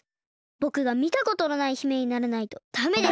ぼくがみたことのない姫にならないとダメです！